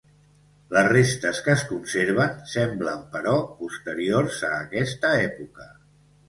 Les restes que es conserven semblen, però, posteriors a aquesta època.